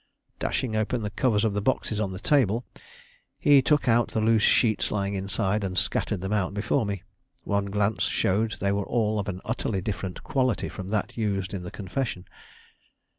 Dashing open the covers of the boxes on the table, he took out the loose sheets lying inside, and scattered them out before me. One glance showed they were all of an utterly different quality from that used in the confession.